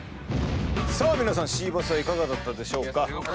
さあ皆さんシーバスはいかがだったでしょうか？